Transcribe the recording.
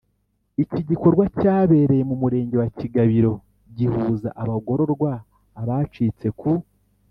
Iki gikorwa cyabereye mu murenge wa Kigabiro gihuza abagororwa abacitse ku